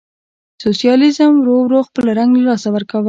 سوسیالیزم ورو ورو خپل رنګ له لاسه ورکاوه.